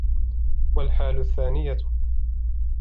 وَالْحَالُ الثَّانِيَةُ